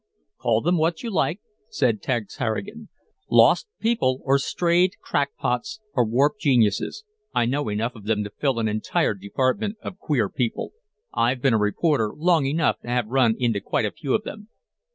_ "Call them what you like," said Tex Harrigan. "Lost people or strayed, crackpots or warped geniuses I know enough of them to fill an entire department of queer people. I've been a reporter long enough to have run into quite a few of them."